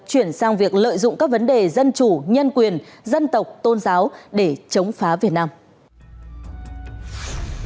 chuyển sang việc lợi dụng các vấn đề dân chủ nhân quyền dân tộc tôn giáo để chống phá việt nam